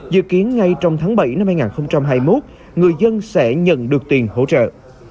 dự kiến ngay trong tháng bảy năm hai nghìn hai mươi một người dân sẽ nhận được tiền hỗ trợ